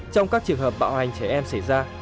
trong các trường hợp bạo hành trẻ em xảy ra